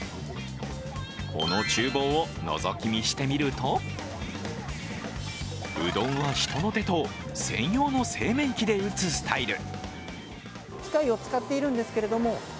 このちゅう房をのぞき見してみると、うどんは人の手と専用の製麺機で打つスタイル。